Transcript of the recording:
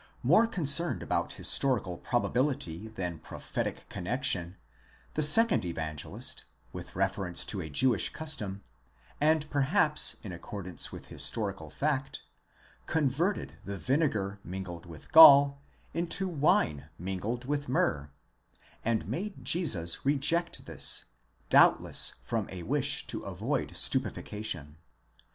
More concerned about historical prob ability than prophetic connexion, the second Evangelist, with reference to a Jewish custom, and perhaps in accordance with historical fact, converted the vinegar mingled with gall, into wine mingled with myrrh, and made Jesus reject this, doubtless from a wish to avoid stupefaction.